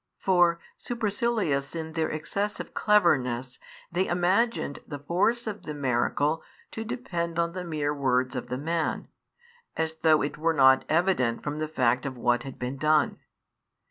For, supercilious in their excessive cleverness, they imagined the force of the miracle to depend on the mere words of the man, as though it were not evident from the fact of what had been done.